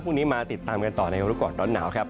พรุ่งนี้มาติดตามกันต่อในรู้ก่อนร้อนหนาวครับ